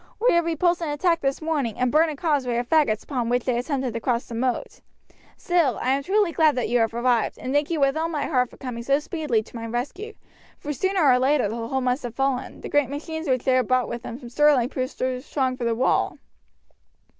"We have repulsed an attack this morning and burnt a causeway of faggots upon which they attempted to cross the moat; still, I am truly glad that you have arrived, and thank you with all my heart for coming so speedily to my rescue, for sooner or later the hold must have fallen; the great machines which they brought with them from Stirling proved too strong for the wall."